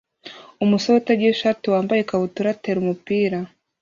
Umusore utagira ishati wambaye ikabutura atera umupira